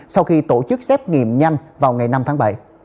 sau khi tổ chức xét nghiệm nhanh vào ngày năm tháng bảy